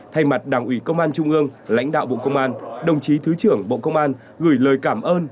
thay mặt đảng ủy công an trung ương lãnh đạo bộ công an đồng chí thứ trưởng bộ công an gửi lời cảm ơn